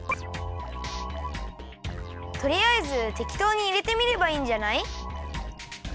とりあえずてきとうにいれてみればいいんじゃない？